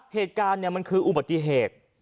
เหตุการณ์มันคืออุบัติเหตุ